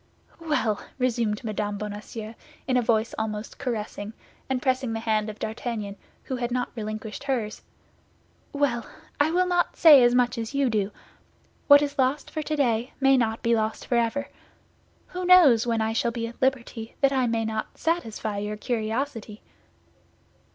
"Well!" resumed Mme. Bonacieux, in a voice almost caressing, and pressing the hand of D'Artagnan, who had not relinquished hers, "well: I will not say as much as you do; what is lost for today may not be lost forever. Who knows, when I shall be at liberty, that I may not satisfy your curiosity?"